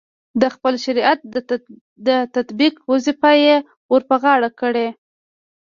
د خپل شریعت د تطبیق وظیفه یې ورپه غاړه کړې.